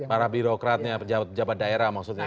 para birokratnya jabat daerah maksudnya